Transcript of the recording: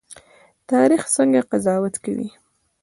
تاریخ څنګه قضاوت کوي؟